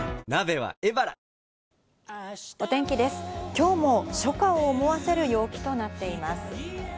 今日も初夏を思わせる陽気となっています。